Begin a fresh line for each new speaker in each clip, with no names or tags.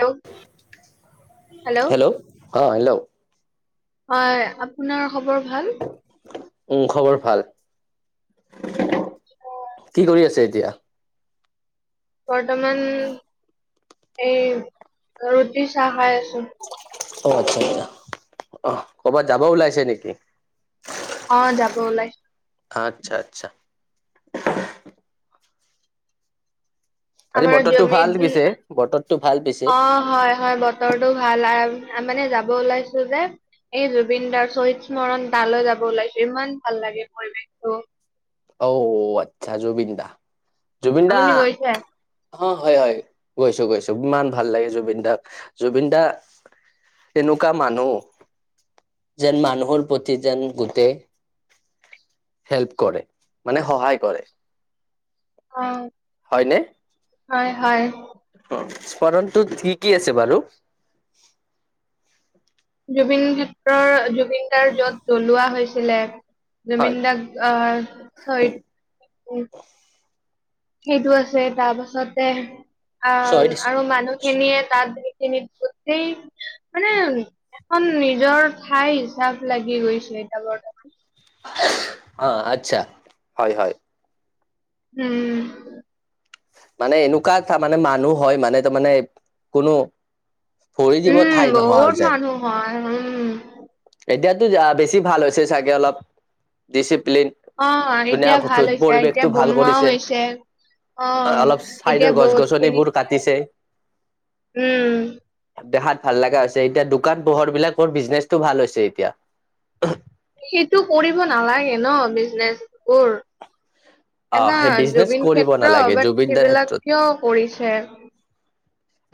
Hello
hello অ hello.
হয়, আপোনাৰ খবৰ ভাল?
উম, খবৰ ভাল।
হয়।
দিয়া।
বৰ্তমান এই ৰুটি, চাহ খাই আছো।
অ' আচ্ছা, আচ্ছা। অহ ক'ৰবাত যাব ওলাইছে নেকি?
অ' যাব ওলাইছোঁ।
আচ্ছা আচ্ছা। আজি
আমাৰ
বতৰটো ভাল
জমিত,
পিছে বতৰটো ভাল পিছে
অ' হয় হয়, বতৰটো ভাল আৰু মানে যাব ওলাইছো যে, এই জুবিনদাৰ শ্বহীদস্মৰণ তালৈ যাব ওলাইছো ইমান ভাল লাগে সেই পৰিৱেশটো
অউ আচ্ছা জুবিনদা
আপুনি গৈছে?
অ' হয় হয়। গৈছো গৈছো, ইমান ভাল লাগে জুবিন দাক। জুবিন দা এনুকা মানুহ। যেন মানুহৰ প্ৰতি যেন গোটেই, হেল্প কৰে। মানে সহায় কৰে।
অ', হয় হয়।
স্মৰণটো ঠিকেই আছে বাৰু!
জুবিনক্ষেত্ৰৰ, জুবিনদাৰ য'ত জ্বলোৱা হৈছিলে
হয়
জুবিন দাক, আহ সেইটো আছে, তাৰপাছতে আ
ছয় ডিচ
আৰু মানুহখিনিয়ে তাত। এনে গোটেই মানে এখন নিজৰ ঠাই হিচাপ লাগি গৈছে, এতিয়া বৰ্তমান।
অ' আচ্ছা, হয় হয়।
হুম।
মানে এনেকুৱা এটা মানে মানুহ হয়, মানে তাৰমানে কোনো ভৰি দিব ঠাই
উম
নোহোৱা হৈ
বহুত
যায়।
মানুহ হয় উম
এতিয়া বেছি ভাল হৈছে চাগে অলপ, দিছিপ্লিন প্লিন,
অ
ধুনীয়া
এতিয়া ভাল হৈছে এতিয়া
পৰিৱেশটো ভাল
বনোৱাও
কৰিছে।
হৈছে অ
অলপ চাইডৰ
এতিয়া বহুত খিনি
গছ-গছনিবোৰ কাটিছে,
উম
দেখাত ভাল লগা হৈছে, এতিয়া দোকান-পোহাৰবিলাকৰ বিজনেচটো ভাল হৈছে এতিয়া।
সেইটো কৰিব নালাগে ন? বিজনেছবোৰ।
অ
এটা
সেই বিজনেচ কৰিব
জুবিনক্ষেত্ৰ,
নালাগে
বাট
জুবিন দাৰ
সেইবিলাক
ক্ষেত্ৰত
কিয় কৰিছে?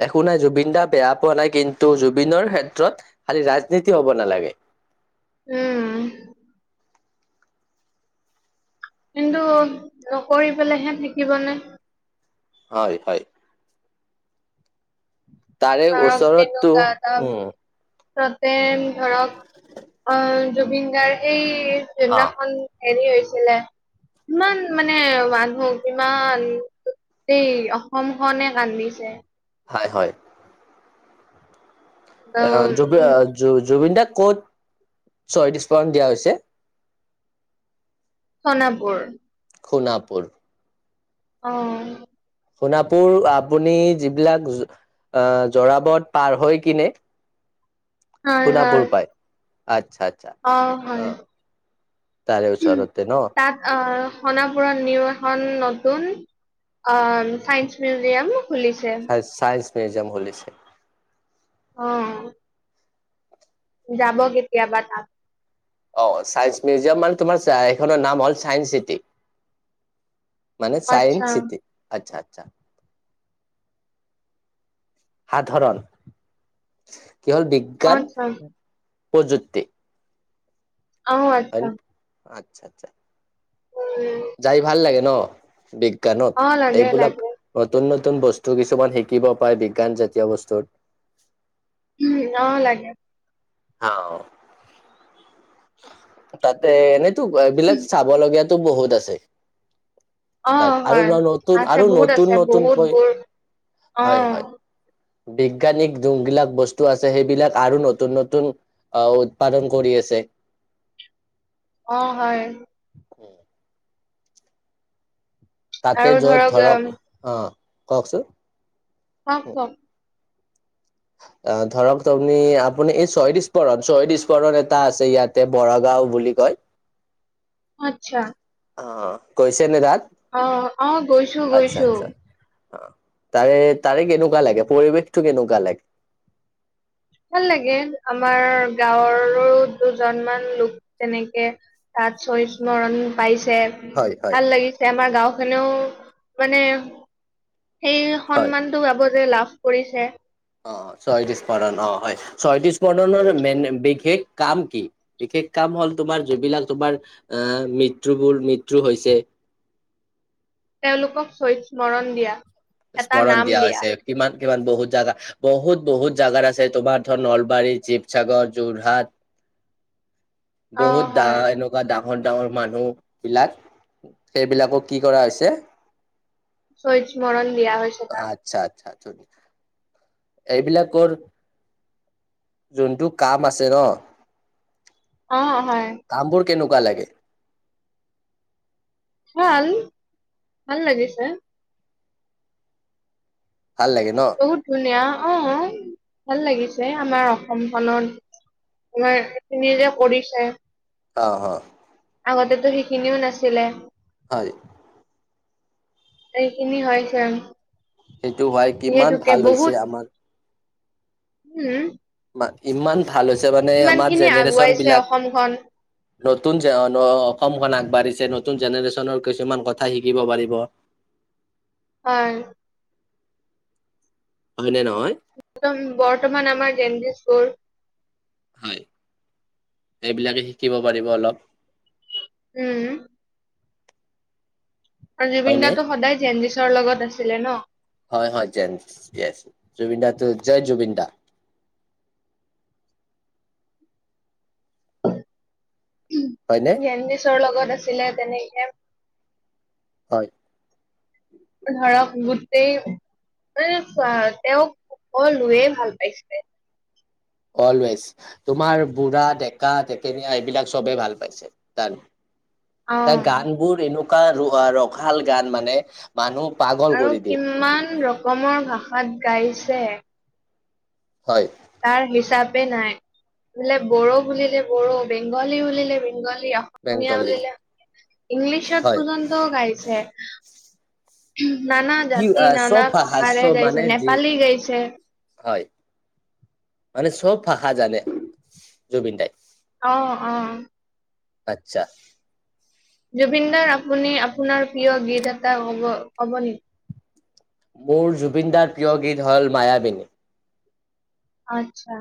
একো নাই জুবিন দা বেয়া পোৱা নাই, কিন্তু জুবিনৰ ক্ষেত্ৰত খালি ৰাজনীতি হ'ব নালাগে।
উম। কিন্তু নকৰি পেলাইহে থাকিবনে?
হয় হয়। তাৰে
ধৰক
ওচৰতো, উম।
তেন ধৰক, অ' জুবিন গাৰ্গ এই
অ
সিদিনাখন। হেৰি হৈছিলে, কিমান মানে মানুহ! কিমান গোটেই অসমখনে কান্দিছে।
হয় হয়।
অ
আ
উম
জুবি-জুবিন দাক ক'ত ছহিদ স্মৰণ দিয়া হৈছে?
সোণাপুৰ।
সোণাপুৰ।
অ'।
সোণাপুৰ, আপুনি যিবিলাক আ, যোৰাবাট পাৰ হৈ কিনে।
হয়
সোণাপুৰ
হয়।
পায় আচ্ছা আচ্ছা
অ' হয়,
তাৰে ওচৰতে ন
তাত আহ শোণাপুৰত নিউ এখন নতুন অ চাইন্স মিউজিয়াম। খুলিছে।
চাইন্স মিউজিয়াম খুলিছে।
অ যাব কেতিয়াবা তাত।
অ চাইন্স মিউজিয়াম মানে তোমাৰ এইখনৰ নাম হ'ল চায়ন্স চিটি। মানে চাইন
আচ্ছা
চিটি আচ্ছা আচ্ছা। সাধাৰণ। কি হ'ল
অ
বিজ্ঞান
আচ্ছা
পজুতি
অহঁ আচ্ছা।
আচ্ছা আচ্ছা।
উম
যাই ভাল লাগে ন বিজ্ঞানত
অ লাগে
এইবিলাক
লাগে
নতুন নতুন নতুন বস্তু কিছুমান শিকিব পায় বিজ্ঞান জাতীয় বস্তু।
উ অ লাগে।
অ তাতে এনেইটো এইবিলাক চাব লগীয়া টো বহুত আছে।
অ
তাত। আৰু
হয়
ন নতুন
আছে
আৰু
বহুত
নতুন
আছে
নতুনকৈ
বহুতবোৰ অ।
হয় হয় বিজ্ঞানিক যোনবিলাক বস্তু আছে সেইবিলাক আৰু নতুন নতুন আহ উৎপাদন কৰি আছে।
অ হয়।
তাতে
আৰু
যত
উম,
ধৰক, অঁ কওকচোন?
আ কওক। [inaudible]
অহ ধৰক তহ আপুনি আপুনি এই শ্বহীদ স্মৰণ শ্বহীদ স্মৰণ এটা আছে ইয়াতে বৰাগাওঁ বুলি কয়
আচ্ছা।
অঁ গৈছে নে তাত?
অ অ গৈছোঁ
আচ্ছা
গৈছোঁ।
আচ্ছা তাৰে তাৰে কেনেকুৱা লাগে পৰিৱেশটো কেনেকুৱা লাগে?
ভাল লাগে আমাৰ গাঁৱৰো দুজনমান লোক তেনেকে। তাত শ্বহীদ স্মৰণ পাইছ ছে
হয় হয়
ভাল লাগিছে আমাৰ গাঁওখনেও মানে। সেই
হয়
সন্মানটো গাব যে লাভ কৰিছে।
অঁ শ্বহীদ স্মৰণ অঁ হয়। শ্বহীদ স্মৰণৰ মেইন বিশেষ কাম কি? বিশেষ কাম ক হ'ল তোমাৰ যিবিলাক তোমাৰ আহ মৃত্যুবোৰ মৃত্যু হৈছে।
তেওঁলোকক শৈত স্মৰণ দিয়া। এটা
স্মৰণ
নাম
দিয়া হৈছে কিমান? কিমান বহুত জাগা। বহুত বহুত জাগাত আছে তোমাৰ ধৰ নলবাৰী, শিৱসাগৰ, যোৰহাট
[inaudible] অ'
বহুত দা
হয়
এনেকুৱা দা সকট দাঙৰ মানুহ বিলাক সেইবিলাকক কি কৰা হৈছে।
চই স্মৰণ দিয়া হৈছে তাত
আচ্ছা আচ্ছা। এইবিলাকৰ যোনটো কাম আছে ন
অ হয়।
কেনেকোৱা লাগে?
ভাল, ভাল লাগিছে।
ভাল লাগে ন
বহুত ধুনীয়া অ। ভাল লাগিছে আমাৰ অসমখনত আমাৰ এইখিনি যে কৰিছে।
অ অ।
আগতেতো সেইখিনিও নাছিলে
হয়।
এইখিনি হয় চ
সেইটো হয় কিমান ভাল হৈছে আমাৰ।
উম
ইমান- ভাল হৈছে মানে
ইমান
আমাৰ
খিনি
জেনেৰেচন
আগুৱাইছে
বিলাক
অসমখন
নতুন যে অসমখন আ পাৰিছে নতুন জেনেৰেচন কিছুমান নতুন কথা শিকিব পাৰিব।
অ'
হয় নে নহয়।
বৰ্তমান আমাৰ জেণ্ডছপোৰ।
হয় এইবিলাকে শিকিব পাৰিব অলপ।
উম। আৰু জুবিন
হয়নে
দাটো সদায় জেনডিচৰ লগত আছিলে ন।
হয় হয় জ জুবিনদা জয় জুবিনদা হয়নে
জেনডিছৰ লগত আছিলে তেনেকে।
হয়।
ধৰক গোটেই তেওঁক সকলোয়ে ভাল পাইছিলে।
অলৱেজ তোমাৰ বুঢ়া, ডেকা, টেকেনীয়া এইবিলাক চবে ভাল পাইছে তাক। তাৰ গান
অ'।
বোৰ এনেকুৱা ৰসাল গান মানে মানুহ- পাগল
আৰু
কৰি দিয়ে
কিমান ৰকমৰ ভাষাত গাইছে।
হয়।
তাৰ হিচাপে নাই বোলে বড়ো বুলিলে বড়ো বেংগলী বুলিলে বেংগলী অসমীয়া
বেংগলী
বুলিলে ইংলিছত
হয়
পৰ্যন্তও গাইছে। উম নানা
কি
জাতি
আহ,
নান
চব ভাষা
ভাষাৰে
চব মানে
গাইছিলে।
যি
নেপালী গাইছে। [inaudible]
হয়
[unintelligible]
মানে চব ভাষা জানে জুবিন দাই।
অ', অ'
আচ্ছা।
জুবিনদাৰ আপুনি আপোনাৰ প্ৰিয় গীত এটা ক'ব নেকি? [inaudible]
মোৰ জুবিনদাৰ প্ৰিয় গীত হ'ল মায়াবিনী।
আত্ছা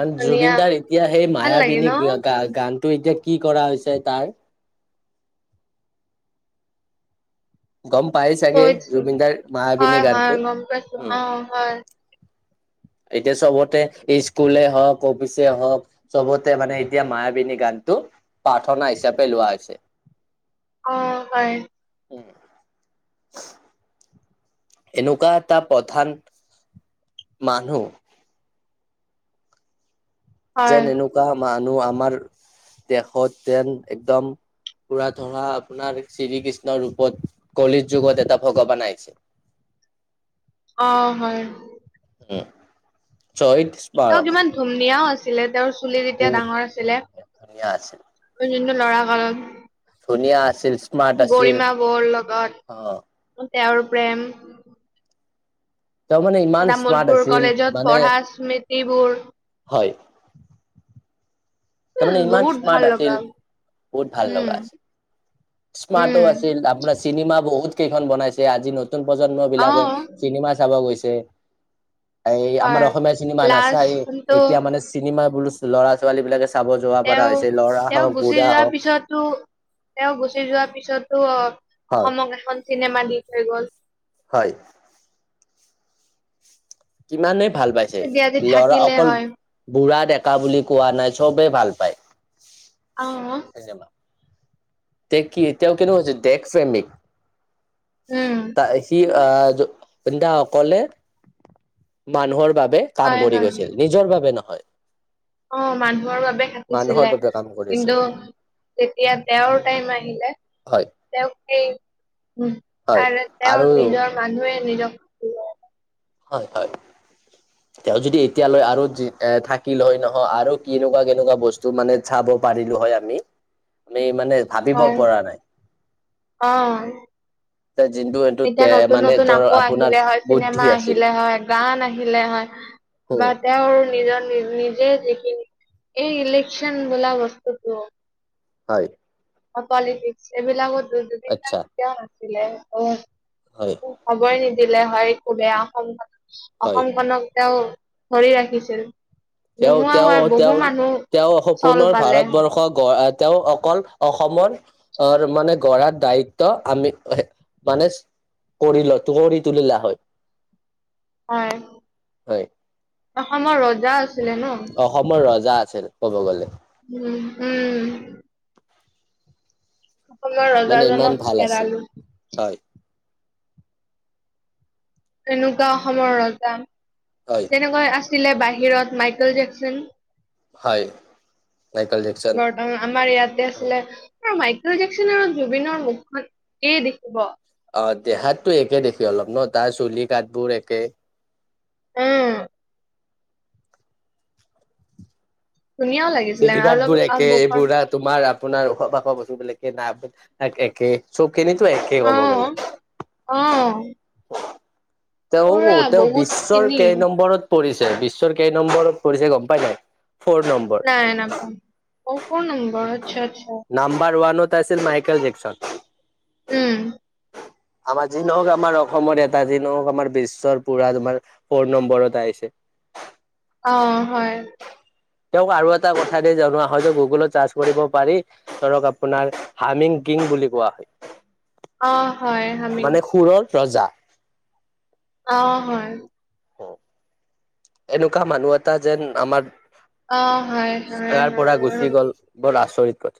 মানে জুবিন
ধুনীয়া
দাৰ এতিয়া সেই
ভাল লাগে ন
মায়াবিনী গ গানতটো এতিয়া কি কৰা হৈছে তাৰ। গম পাই চাগে
চৈত
জুবিনদাৰ মায়াবিনী
হয় হয়
গানটো।
গম পাইছো
উম
অ হয়
এতিয়া চবতে স্কুল হওক, অফিচ হওক চবতে মানে এতিয়া মায়াবিনী গান টো প্ৰাৰ্থনা হিচাপে লোৱা হৈছে।
অ' হয়
উম। এনেকুৱা এটা প্ৰধান মানুহ।
হয়
যেন এনেকুৱা মানুহ আমাৰ দেশত যেন একদম পুৰা ধৰা আপোনাৰ শ্ৰী কৃষ্ণৰ ৰূপত কলি যুগত এটা ভগৱান আহিছে।
অ' হয়।
উম চ ইটচ
তেওঁ
[unintelligible]
কিমান ধুমনীয়াও আছিলে। তেওঁৰ চুলিৰ যেতিয়া ডাঙৰ আছিলে।
হয় ধুনীয়া আছিল।
ক যটো লৰা কালত।
ধুনীয়া আছিল। স্মাৰ্ট আছিল
গৰিমা বৰ
অ'।
লগত তেওঁৰ প্ৰেম।
তেওঁ মানে ইমান স্মাৰ্ট
তামোলপুৰ
আছিল
কলেজত
মানে
পঢ়া স্মৃতিবোৰ
হয়।
উম
তাৰমানে ইমান
বহুত
স্মাৰ্ট
ভাল
আছিল
লগা
বহুত ভাল লগা
উম
আছিল। স্মাৰ্টো
উম
আছিল আপোনাৰ চিনেমা বহুত- ত কেইখন বনাইছে আজি নতুন প্ৰজন্ম
অ
বিলাকে চিনেমা চাব গৈছে। এই আমাৰ
হয়
অসমীয়া চিনেমা নাচাই
লাষ্টটো
এতিয়া মানে চিনেমা বো ল'ৰা ছোৱালী বিলাক
তেওঁ তেওঁ গুচি যোৱাৰ
হওক
পিছতো তেওঁ গুচি যোৱাৰ পিছতো অঁ-
হয়
অসমক এখন চিনেমা দি থৈ গ'ল।
হয় কিমানেই ভাল পাইছে
তেতিয়া আজি
লৰা
থাকিলে
অকল
হয়
বুঢ়া দে- কা বুলি কোৱা নাই চবেই ভাল পায়।
অ
তেওঁ কি তেওঁ কেনে আছিল দেশ প্ৰেমিক।
উম
আহাসকলে মানুহৰ বাবে কাম
হয়
কৰি
হয়
গৈছিল নিজৰ বাবে নহয়।
অ মানুহৰ বাবে
মানুহৰ
খাটিছিলে
বাবে কাম কৰিছে
কিন্তু তেতিয়া তেওঁৰ টাইম আহিলে
হয়
তেওঁক এই-
হয়
তাৰে
আৰু
তেওঁৰ নিজৰ মানুহে নিজক।
হয় হয়। তেওঁ যদি এতিয়ালৈ আৰু এ থাকিল হয় নহয় আৰু কেনেকুৱা কেনেকুৱা বস্তু মানে চাব। উপাধিটো হয় আমি আমি মানে- ভাবিব
অ
পৰা নাই
অ
[unintelligible]
এতিয়া নতুন
মানে
নতুন
তৰ
আকৌ
আপোনাৰ
আহিলে হয়।
বুদ্ধি
চিনেমা
আছিল
আহিলে হয় গান আহিলে হয়। বা
উম
তেওঁৰ নিজৰ নিজে দেখিন এই ইলেক্যন বোলা বস্তুটো
হয়।
পলিটিক্স এইবিলাকত দু
আচ্ছা
কেতিয়াও নাছিলে অ।
হয়
মোক খবয়ে নিদিলে হয় খুবেয়া অসমখন
হয়
অসমখনক- তেওঁ ধৰি ৰাখিছিল।
তেওঁ
নোহোৱা
তেওঁ
হোৱা বহু
তেওঁ
মানুহ
তেওঁ
চল
পুনৰ
পালে
ভাৰতবৰ্ষ গ তেওঁ অকল অসমৰ আহ মানে গঢ়াৰ দায়িত্ব আমি- মানে কৰি লয় কৰি তুলিলোৱা হয়।
হয়
হয়
অসমৰ ৰজা আছিলে ন।
অসমৰ ৰজা ক'ব গলে।
উম উম সকলৰ
মানে ইমান
ৰজাজনক
ভাল আছিল
হেৰালো
হয়
এনেকুৱা অসমৰ ৰজা
হয়
তেনেকুৱা আছে। ছিলে বাহিৰত মাইকেল জেকচন।
হয় মাইকেল জেকচন
বৰ্তমান আমাৰ ইয়াতে আছিলে। মাইকেল জেকচন আৰু জুবিনৰ মুখখন একেই দেখিব।
অ দেহাতো একে দেখে অলপ ন তাৰ চুলি কাট বোৰ একে।
উম। ধুনীয়াও লাগিছিলে
চেলি ঘাট
আৰু অলপ
বোৰ একে
আৰু মুখখন
এইবো তোমাৰ আপোনাৰ ওখ পাখ মানুহ বিলাকে নাক একে চব কেনিতো একে
অ
ক'ব গলে
অ
তেওঁ
পুৰা
তেওঁ
বহুত
বিশ্বৰ
খিনি
কেই নম্বৰত- পৰিছে বিশ্বৰ কেই নম্বৰত পৰিছে গম পাই নাই। ফৰ নম্বৰ
নাই নাপাম অ কোন নম্বৰ আচ্ছা আচ্ছা
নাম্বাৰ ওৱানত- আছিল মাইকেল জেকচন।
উম
আমাৰ যি নহওক আমাৰ অসমৰ এটা যি নহওক আমাৰ বিশ্বৰ পুৰা তোমাৰ ফৰ নম্বৰত আহিছে।
অ হয়।
তেওঁক আৰু এটা কথা দি জনোৱা হয় গুগলত চাৰ্চ কৰিব পাৰি ধৰক আপোনাৰ হিং। কিং বুলি কোৱা হয়।
অ। হয় হামিং
মানে সুৰৰ ৰজা।
অ হয়।
হয়। এনেকুৱা মানুহ এটা যেন আমাৰ
অ হয় হয়
গাৰ পৰা গুচি
হয়
গ'ল বৰ আচৰিত কথা